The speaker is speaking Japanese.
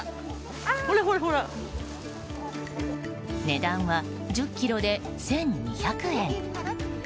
値段は１０ｋｇで１２００円。